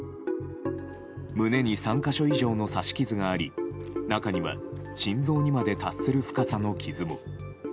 胸に３か所以上の刺し傷があり中には、心臓にまで達する深さの傷も。